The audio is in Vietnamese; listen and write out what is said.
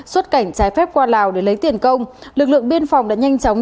xuất cảnh trái phép qua lào để lấy tiền công lực lượng biên phòng đã nhanh chóng